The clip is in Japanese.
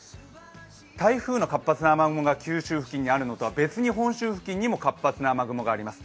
台風の活発な雨雲が九州付近にあるのとは別に本州付近にも活発な雨雲があります。